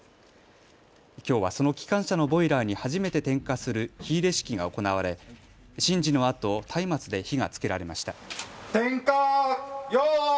きょうはその機関車のボイラーに初めて点火する火入れ式が行われ神事のあとたいまつで火がつけられました。